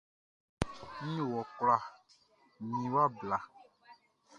Nʼyo wɔ kula mi wa bla.